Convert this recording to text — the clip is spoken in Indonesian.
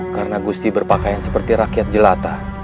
karena gusti berpakaian seperti rakyat jelata